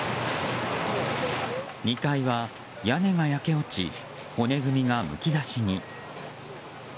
２階は屋根が焼け落ち骨組みがむき出しに。